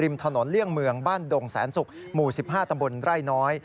ถนนเลี่ยงเมืองบ้านดงแสนศุกร์หมู่๑๕ตำบลไร่น้อย